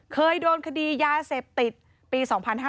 เคยโดนคดียาเสพติดปี๒๕๕๙